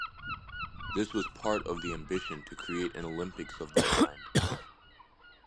This was part of the ambition to create an Olympics of the mind.